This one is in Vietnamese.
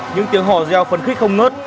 những tiếng hò reo phân khích không ngớt